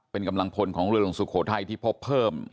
เป็นกำลังพลของเรือหลวงสุโขทัยที่พบเพิ่ม